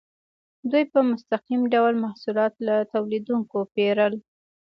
دوی په مستقیم ډول محصولات له تولیدونکو پیرل.